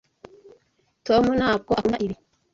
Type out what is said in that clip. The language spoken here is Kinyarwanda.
Tom ntabwo akunda ibi.